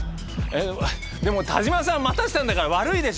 でも田島さん待たせてるんだから悪いでしょ！